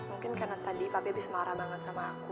mungkin karena tadi papi abis marah banget sama aku